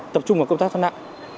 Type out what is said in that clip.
tập trung vào công tác thoát nạn